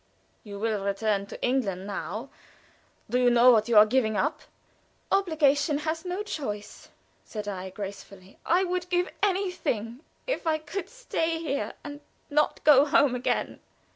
"You will return to England now? Do you know what you are giving up?" "Obligation has no choice," said I, gracefully. "I would give anything if I could stay here, and not go home again."